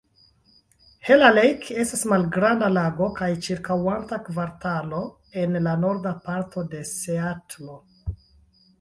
Haller Lake estas malgranda lago kaj ĉirkaŭanta kvartalo en la norda parto de Seatlo.